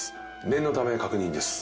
念のため確認です